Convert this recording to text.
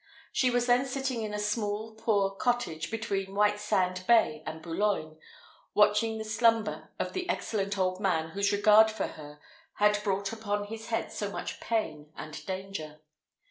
She was then sitting in a small, poor cottage between Whitesand Bay and Boulogne, watching the slumber of the excellent old man whose regard for her had brought upon his head so much pain and danger.